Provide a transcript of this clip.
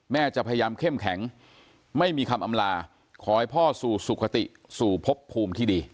จะพยายามเข้มแข็งไม่มีคำอำลาขอให้พ่อสู่สุขติสู่พบภูมิที่ดี